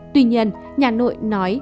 tuy nhiên nhà nội nói